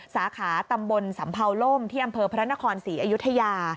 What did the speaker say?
สาขาตำบลสำเภาล่มที่อำเภอพระนครศรีอยุธยา